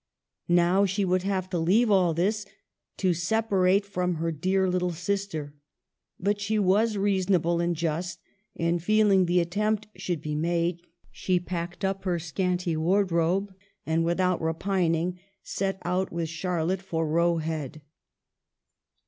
Now she would have to leave all this, to separate from her dear little sister. But she was reasonable and just, and, feeling the attempt should be made, she packed up her scanty wardrobe, and, without re pining, set out with Charlotte for Roe Head.